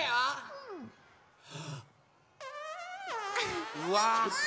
うわ！